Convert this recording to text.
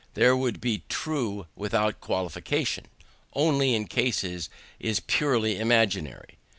They would be true without qualification, only in a case which is purely imaginary.